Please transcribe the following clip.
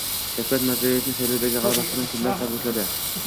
Shavkat Mirziyoyevni saylovdagi g‘alabasi bilan kimlar tabrikladi?